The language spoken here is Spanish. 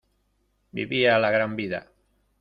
Vivía la gran vida